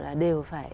là đều phải